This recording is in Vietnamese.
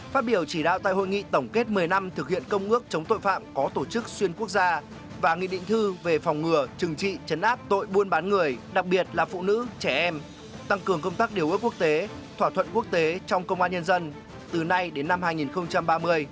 phát biểu chỉ đạo tại hội nghị tổng kết một mươi năm thực hiện công ước chống tội phạm có tổ chức xuyên quốc gia và nghị định thư về phòng ngừa trừng trị chấn áp tội buôn bán người đặc biệt là phụ nữ trẻ em tăng cường công tác điều ước quốc tế thỏa thuận quốc tế trong công an nhân dân từ nay đến năm hai nghìn ba mươi